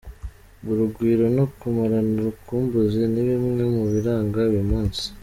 Urugwiro no kumarana urukumbuzi ni bimwe mu biranga uyu munsi.